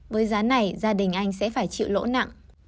với giá này gia đình anh sẽ phải chịu lỗ nặng